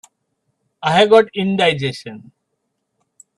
I've got indigestion.